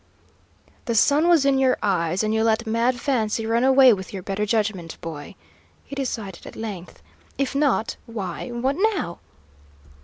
"The sun was in your eyes, and you let mad fancy run away with your better judgment, boy," he decided, at length. "If not, why what now?"